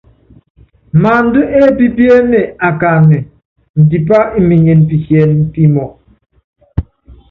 Maándá épípíéné akáánɛ́, índipá imenyene pisiɛ́nɛ píɔ́pú.